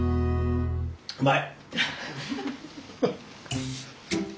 うまい。